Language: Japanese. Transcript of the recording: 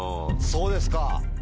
そうですか。